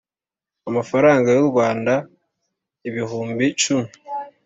amafaranga y u Rwanda ibihumbi cumi